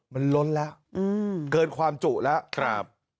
มันล้นแล้วอืมเกินความจุละครับ